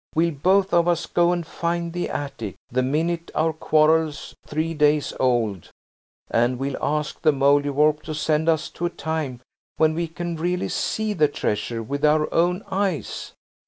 We'll both of us go and find the attic the minute our quarrel's three days old, and we'll ask the Mouldiwarp to send us to a time when we can really see the treasure with our own eyes.